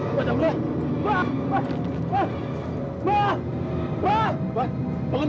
kurang ajar kau usman